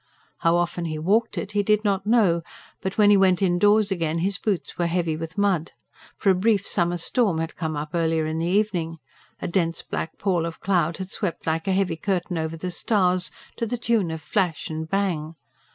How often he walked it he did not know; but when he went indoors again, his boots were heavy with mud. For a brief summer storm had come up earlier in the evening. A dense black pall of cloud had swept like a heavy curtain over the stars, to the tune of flash and bang.